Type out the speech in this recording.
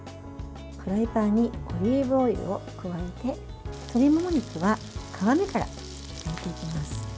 フライパンにオリーブオイルを入れて鶏もも肉は皮目から焼いていきます。